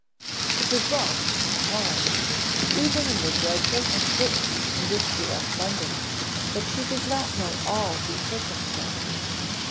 It was well for poor Helen, even in the dreadful uncertainty in which she left London, that she did not know all these circumstances.